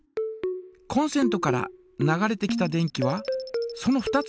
コンセントから流れてきた電気はその２つの道に分かれます。